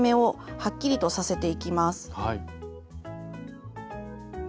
はい。